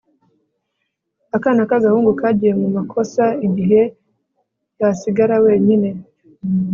Akana kagahungu kagiye mu makosa igihe yasigara wenyine